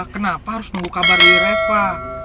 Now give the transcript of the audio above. kenapa harus nunggu kabar dari reva